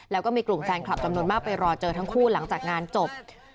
แล้วก็มีกลุ่มแฟนคลับจำนวนมากไปรอเจอทั้งคู่หลังจากงานจบ